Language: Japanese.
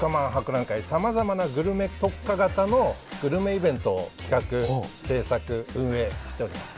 さまざまなグルメ特化型のグルメイベントを企画・製作運営しております。